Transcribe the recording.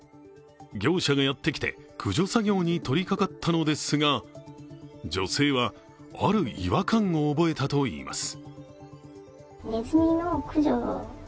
業者がやってきて駆除作業に取りかかったのですが、女性は、ある違和感を覚えたといいます。